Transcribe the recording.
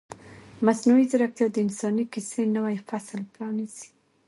مصنوعي ځیرکتیا د انساني کیسې نوی فصل پرانیزي.